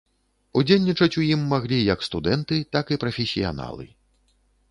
Удзельнічаць у ім маглі як студэнты, так і прафесіяналы.